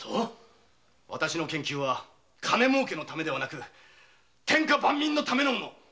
私の研究は金もうけのためではなく天下万民のためのもの。